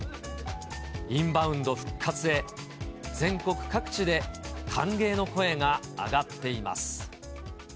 インバウンド復活へ、全国各地で歓迎の声が上がっています。